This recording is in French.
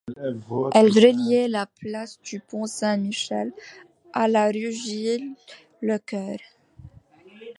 Elle reliait la place du Pont-Saint-Michel à la rue Gît-le-Cœur.